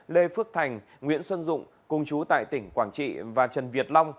lê phước thành nguyễn xuân dụng cùng chú tại tỉnh quảng trị và trần việt long